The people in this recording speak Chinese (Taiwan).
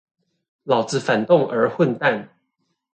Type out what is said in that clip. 老子反動兒混蛋